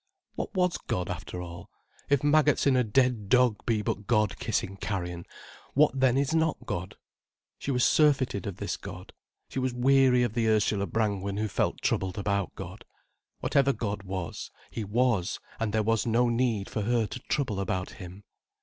What was God, after all? If maggots in a dead dog be but God kissing carrion, what then is not God? She was surfeited of this God. She was weary of the Ursula Brangwen who felt troubled about God. What ever God was, He was, and there was no need for her to trouble about Him.